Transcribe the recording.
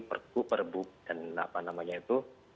perpu perbuk dan apa namanya itu